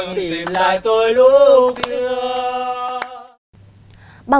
để tôi đường tìm lại tôi lúc xưa